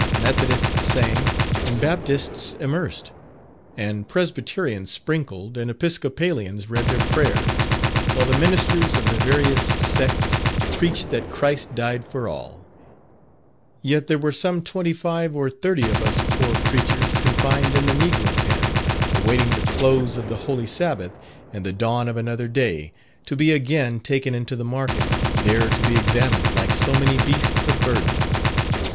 Methodists sang, and Baptists immersed, and Presbyterians sprinkled, and Episcopalians read their prayers, while the ministers of the various sects preached that Christ died for all; yet there were some twenty five or thirty of us poor creatures confined in the 'Negro Pen' awaiting the close of the Holy Sabbath, and the dawn of another day, to be again taken into the market, there to be examined like so many beasts of burden.